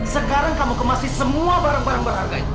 sekarang kamu kemasi semua barang barang berharga itu